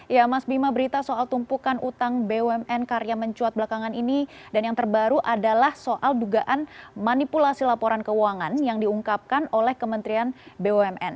ya mas bima berita soal tumpukan utang bumn karya mencuat belakangan ini dan yang terbaru adalah soal dugaan manipulasi laporan keuangan yang diungkapkan oleh kementerian bumn